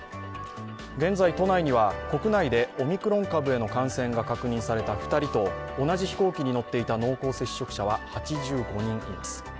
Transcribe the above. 現在、都内には国内でオミクロン株への感染が確認された２人と同じ飛行機に乗っていた濃厚接触者は８５人います。